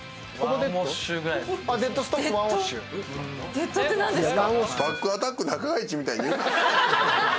デッドって何ですか？